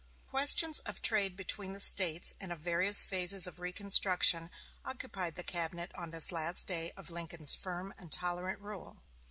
Questions of trade between the States, and of various phases of reconstruction, occupied the cabinet on this last day of Lincoln's firm and tolerant rule.